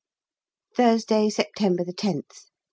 _Thursday, September 10th.